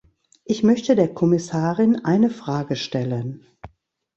Ich möchte der Kommissarin eine Frage stellen.